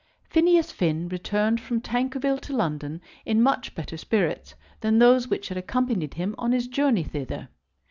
Phineas Finn returned from Tankerville to London in much better spirits than those which had accompanied him on his journey thither.